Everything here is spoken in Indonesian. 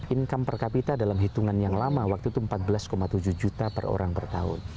income per capita dalam hitungan yang lama waktu itu empat belas tujuh juta per orang per tahun